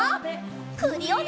クリオネ！